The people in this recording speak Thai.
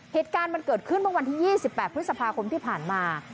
เหตุการณ์มันเกิดขึ้นเมื่อวันที่๒๘พฤษภาคมที่ผ่านมา